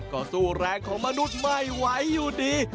ก็สู้แรงของมนุษย์ไม่ไหวอยู่ดี